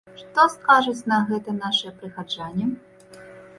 Што скажуць на гэта нашыя прыхаджане?